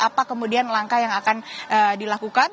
apa kemudian langkah yang akan dilakukan